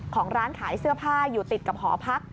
ของร้านขายเสื้อผ้าอยู่ติดกับหอพัก